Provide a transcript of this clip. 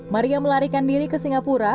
maria melarikan diri ke singapura